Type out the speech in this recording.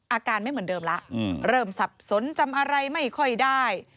อาการไม่เหมือนเดิมแล้วเริ่มสับสนจำอะไรไม่ค่อยได้